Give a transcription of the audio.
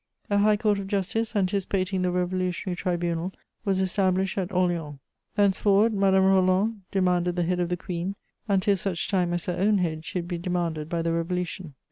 A high court of justice, anticipating the revolutionary tribunal, was established at Orleans. Thenceforward Madame Roland demanded the head of the Queen, until such time as her own head should be demanded by the Revolution.